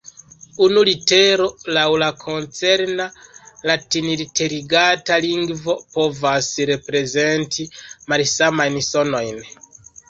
Unu litero laŭ la koncerna latinliterigata lingvo povas reprezenti malsamajn sonojn.